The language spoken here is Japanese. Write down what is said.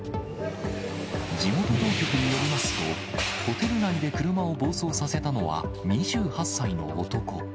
地元当局によりますと、ホテル内で車を暴走させたのは、２８歳の男。